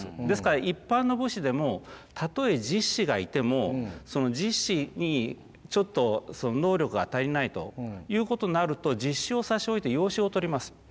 ですから一般の武士でもたとえ実子がいてもその実子にちょっと能力が足りないということになると実子を差し置いて養子を取ります。